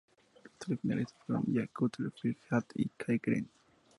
Los tres finalistas fueron Jay Cutler, Phil Heath y Kai Greene.